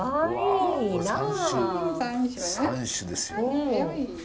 三種ですよ。